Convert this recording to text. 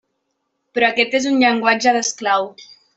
Però aquest és un llenguatge d'esclau.